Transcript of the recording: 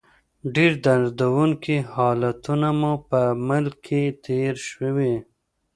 ډېر دردونکي حالتونه مو په ملک کې تېر شوي.